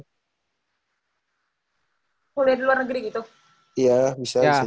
kuliah di luar negeri gitu